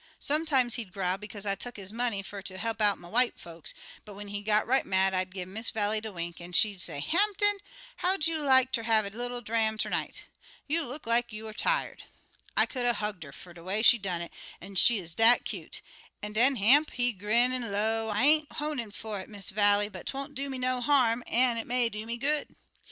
Sometimes he'd growl bekaze I tuck his money fer ter he'p out my white folks, but when he got right mad I'd gi' Miss Vallie de wink, an' she'd say: 'Hampton, how'd you like ter have a little dram ter night? You look like youer tired.' I could a hugged 'er fer de way she done it, she 'uz dat cute. An' den Hamp, he'd grin an' low, 'I ain't honin' fer it, Miss Vallie, but 'twon't do me no harm, an' it may do me good.'